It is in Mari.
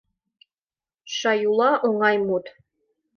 Шаӱла — оҥай мут.